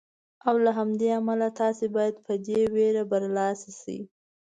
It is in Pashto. او له همدې امله تاسې باید په دې وېرې برلاسي شئ.